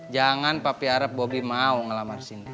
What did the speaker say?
jangan papi harap bobi mau ngelamar sindi